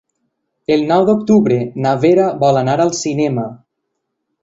El nou d'octubre na Vera vol anar al cinema.